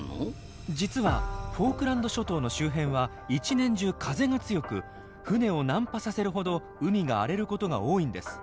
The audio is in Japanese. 実はフォークランド諸島の周辺は一年中風が強く船を難破させるほど海が荒れることが多いんです。